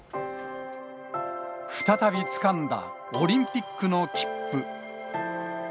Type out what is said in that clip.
再びつかんだオリンピックの切符。